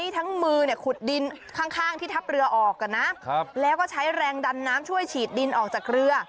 ทั้งมือเนี่ยขุดดินข้างที่ทัพเรือออกนะแล้วก็ใช้แรงดันน้ำช่วยฉีดดินออกจากเรือ